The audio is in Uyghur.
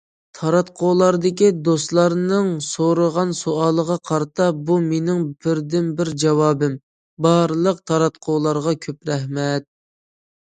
تاراتقۇلاردىكى دوستلارنىڭ سورىغان سوئالىغا قارىتا بۇ مېنىڭ بىردىنبىر جاۋابىم، بارلىق تاراتقۇلارغا كۆپ رەھمەت.